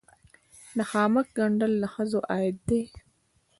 د خامک ګنډل د ښځو عاید دی